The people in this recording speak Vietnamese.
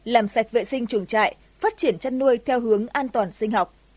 làm sạch vệ sinh chuồng trại phát triển chăn nuôi theo hướng an toàn sinh học